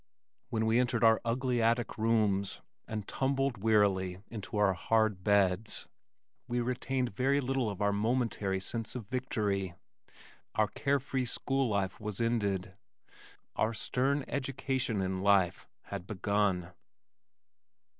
When we entered our ugly attic rooms and tumbled wearily into our hard beds, we retained very little of our momentary sense of victory. Our carefree school life was ended. Our stern education in life had begun.